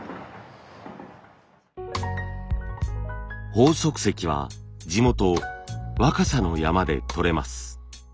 鳳足石は地元若狭の山でとれます。